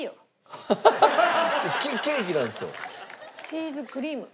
チーズクリーム。